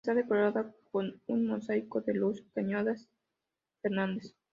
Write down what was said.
Está decorada con un mosaico de Luis Cañadas Fernández.